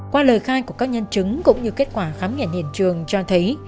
qua lời khai của các nhân chứng cũng như kết quả khám nghiệm hiện trường cho thấy